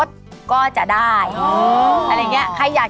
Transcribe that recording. สวัสดีครับ